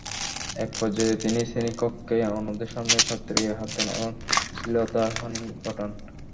একপর্যায়ে তিনি শ্রেণিকক্ষেই অন্যদের সামনে ছাত্রীর গায়ে হাত দেন এবং শ্লীলতাহানি ঘটান।